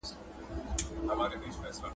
ډیري اوبه څښل ولي اړین دي؟